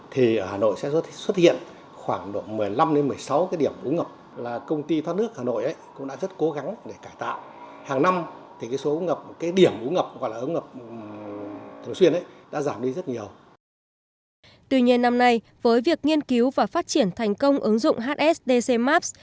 tuy nhiên năm nay với việc nghiên cứu và phát triển thành công ứng dụng hsdcmep